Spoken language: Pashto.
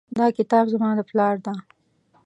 دا کتاب زما د پلار ده